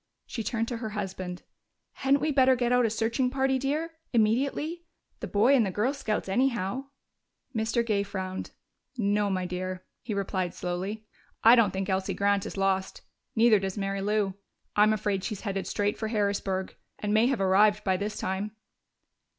She turned to her husband. "Hadn't we better get out a searching party, dear, immediately? The Boy and the Girl Scouts, anyhow." Mr. Gay frowned. "No, my dear," he replied slowly. "I don't think Elsie Grant is lost. Neither does Mary Lou. I'm afraid she's headed straight for Harrisburg and may have arrived by this time."